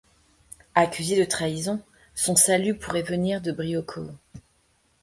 Accusé de trahison, son salut pourrait venir de Brioukow...